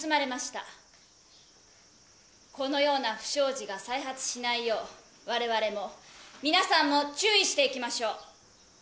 このような不祥事が再発しないよう我々も皆さんも注意していきましょう。